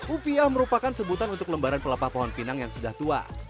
upiah merupakan sebutan untuk lembaran pelepah pohon pinang yang sudah tua